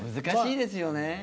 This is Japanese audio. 難しいですよね。